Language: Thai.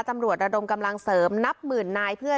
ระดมกำลังเสริมนับหมื่นนายเพื่อ